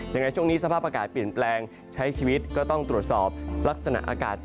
ยังไงช่วงนี้สภาพอากาศเปลี่ยนแปลงใช้ชีวิตก็ต้องตรวจสอบลักษณะอากาศ